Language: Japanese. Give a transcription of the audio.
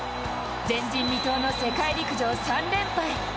前人未到の世界陸上３連覇へ。